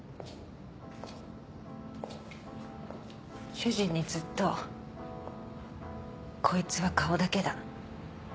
主人にずっと「こいつは顔だけだ」